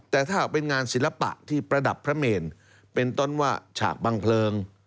แต่ถ้าหากเป็นงานศิลปะที่ประดับพระเมนเป็นต้นว่าฉากบังเพลิง